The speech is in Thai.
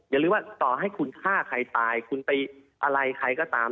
อย่าลืมว่าต่อให้คุณฆ่าใครตายคุณไปอะไรใครก็ตาม